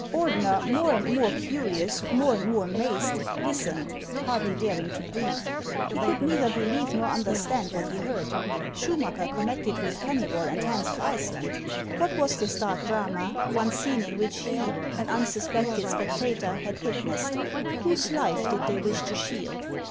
Ordener, more and more curious, more and more amazed, listened, hardly daring to breathe. He could neither believe nor understand what he heard. Schu macker connected with Kennybol and Hans of Iceland ! What was this dark drama, one scene in which he, an unsuspected spectator, had witnessed ? Whose life did they wish to shield